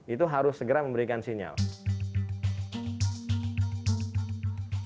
itu harus segera memberikan sinyal